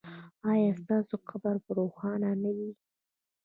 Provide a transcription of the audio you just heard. ایا ستاسو قبر به روښانه نه وي؟